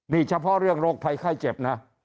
นี่เฉพาะเรื่องโรคภัยไข้เจ็บนะ